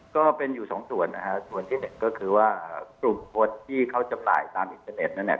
ก็เป็นอยู่๒ส่วนนะครับส่วนที่๑ก็คือว่าส่วนที่เขาจำหน่ายตามอินเทอร์เน็ตนั้นเนี่ย